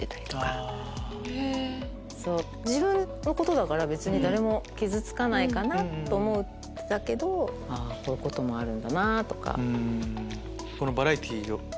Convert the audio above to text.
自分のことだから誰も傷つかないかなと思うんだけどこういうこともあるんだなぁとか。